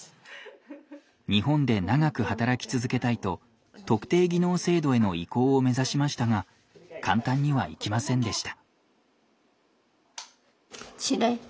日本で長く働き続けたいと特定技能制度への移行を目指しましたが簡単にはいきませんでした。